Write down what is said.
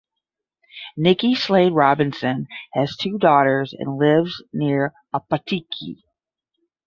Nikki Slade Robinson has two daughters and lives near Opotiki.